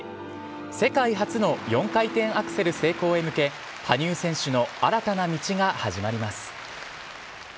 世界初の４回転アクセル成功へ向け、羽生選手の新たな道が始まります。